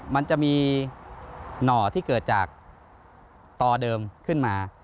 มันจะมีหน่อที่เกิดจากต่อเดิมขึ้นมา